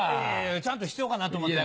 ちゃんと必要かなと思ってね。